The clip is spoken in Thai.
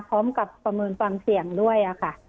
พร้อมกับประเมินความเสี่ยงด้วยค่ะ